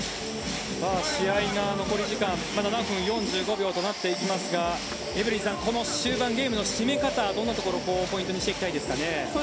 試合が残り時間７分４５秒となっていますがエブリンさん、終盤、締め方はどんなところをポイントにしていきたいですか。